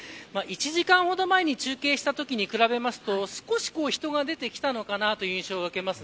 １時間ほど前に中継をしたときに比べますと、少し人が出てきたという印象を受けます。